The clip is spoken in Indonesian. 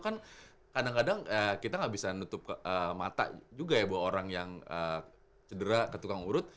kan kadang kadang kita nggak bisa nutup mata juga ya buat orang yang cedera ke tukang urut